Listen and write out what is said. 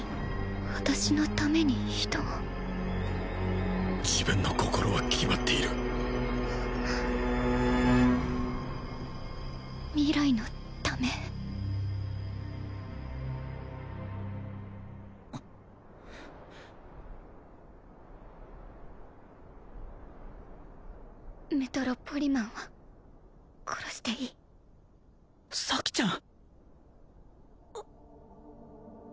私のために人を自分の心は決まっている未来のためメトロポリマンは殺していい咲ちゃん！